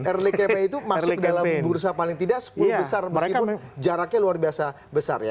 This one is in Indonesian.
early cape itu masuk dalam bursa paling tidak sepuluh besar meskipun jaraknya luar biasa besar ya